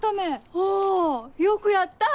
おぉよくやった！